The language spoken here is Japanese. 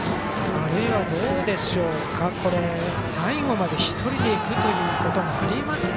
あるいは、最後まで１人でいくということもありますか？